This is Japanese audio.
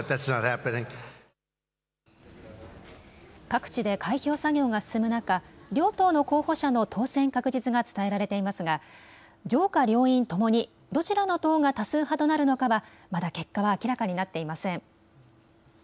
各地で開票作業が進む中、両党の候補者の当選確実が伝えられていますが上下両院ともにどちらの党が多数派となるのかはまだ結果は明らかになっていません。